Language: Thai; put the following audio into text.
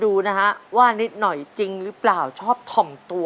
เดือนพฤษภาคมค่ะ